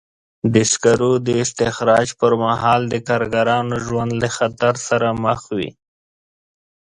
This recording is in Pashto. د سکرو د استخراج پر مهال د کارګرانو ژوند له خطر سره مخ وي.